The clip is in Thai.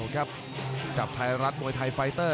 กับไทยรัฐมวยไทยไฟเตอร์